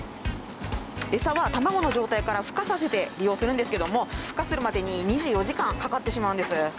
エサは卵の状態からふ化させて利用するんですけどもふ化するまでに２４時間かかってしまうんです。